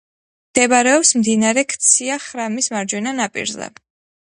მდებარეობს მდინარე ქცია-ხრამის მარჯვენა ნაპირზე.